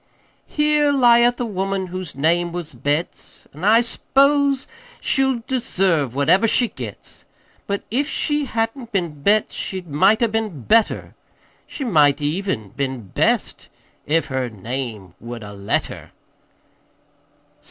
"Here lieth a woman whose name was Betts, An' I s'pose she'll deserve whatever she gets; But if she hadn't been Betts she might 'a' been Better, She might even been Best if her name would 'a' let her."